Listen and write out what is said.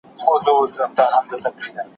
اقتصادي پرمختيا ملي هویت پياوړی کوي.